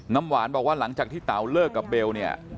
น้ำหวานบอกว่าหลังจากที่เต๋าเลิกกับเบลเนี่ย